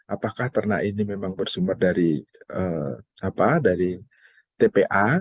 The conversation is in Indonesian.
apakah ternak ini memang bersumber dari tpa